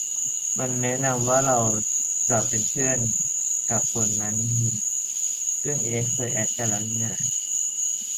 มันแนะนำว่าเราน่าจะเป็นเพื่อนกะคนนั้นนี้ ซึ่ง เอ๊ะ เคยแอดกันแล้วนี่นา